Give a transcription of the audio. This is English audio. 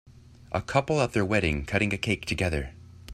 A couple at their wedding cutting a cake together.